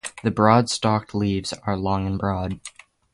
The broad-stalked leaves are long and broad.